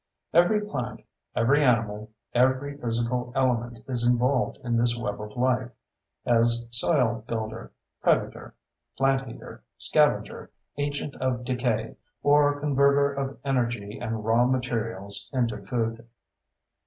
Every plant, every animal, every physical element is involved in this web of life—as soil builder, predator, plant eater, scavenger, agent of decay, or converter of energy and raw materials into food.